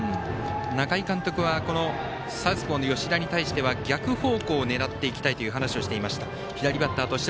中井監督はサウスポーの吉田に対しては逆方向を狙っていきたいと話していました。